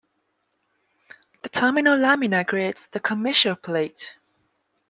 The terminal lamina creates the commissure plate.